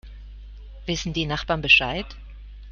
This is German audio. Wissen die Nachbarn Bescheid?